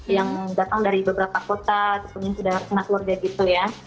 yang datang dari beberapa kota ataupun yang sudah kena keluarga gitu ya